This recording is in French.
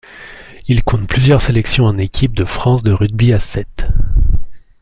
Il compte plusieurs sélections en équipe de France de rugby à sept.